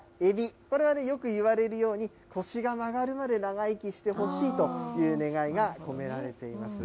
これはよくいわれるように、腰が曲がるまで長生きしてほしいという願いが込められています。